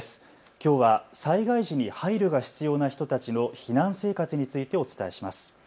きょうは災害時に配慮が必要な人たちの避難生活についてお伝えします。